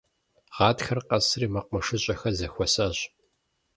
Гъатхэр къэсри мэкъумэшыщӀэхэр зэхуэсащ.